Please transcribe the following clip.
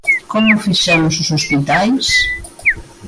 ¿Como fixemos os hospitais?